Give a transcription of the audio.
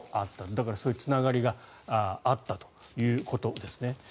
だからそういうつながりがあったということですね。